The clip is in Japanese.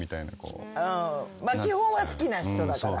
まあ基本は好きな人だから。